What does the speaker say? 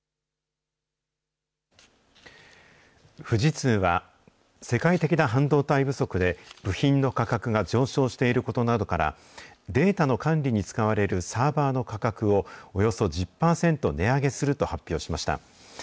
富士通は、世界的な半導体不足で、部品の価格が上昇していることなどから、データの管理に使われるサーバーの価格をおよそ１０％値上げすると発表しました。